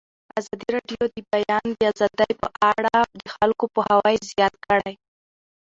ازادي راډیو د د بیان آزادي په اړه د خلکو پوهاوی زیات کړی.